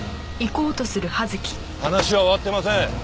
話は終わってません。